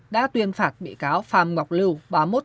đã tuyên phạt bị cáo phạm ngọc lưu ba mươi một tuổi một mươi năm tháng tù